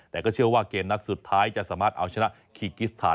แต่ก็เชื่อว่าเกมนัดสุดท้ายจะสามารถเอาชนะคีกิสถาน